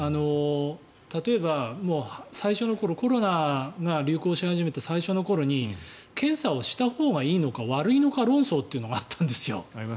例えば、最初の頃コロナが流行し始めて最初の頃に検査をしたほうがいいのか悪いのか論争というのがあったんですよ。